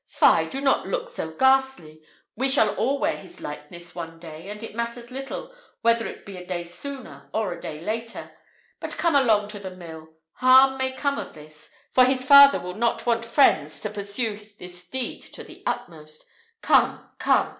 Fie! do not look so ghastly. We shall all wear his likeness one day, and it matters little whether it be a day sooner or a day later. But come along to the mill. Harm may come of this; for his father will not want friends to pursue this deed to the utmost. Come, come!